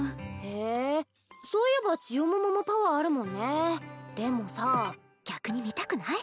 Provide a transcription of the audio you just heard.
へえそういえばちよもももパワーあるもんねでもさ逆に見たくない？